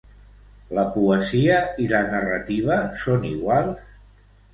La poesia i la narrativa són iguals?